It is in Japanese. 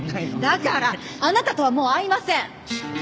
だからあなたとはもう会いません！